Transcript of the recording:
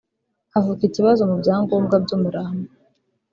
havuka ikibazo mu byangombwa by’umurambo